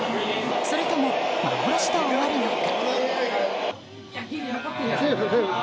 それとも幻と終わるのか。